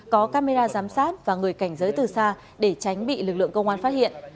có camera giám sát và người cảnh giới từ xa để tránh bị lực lượng công an phát hiện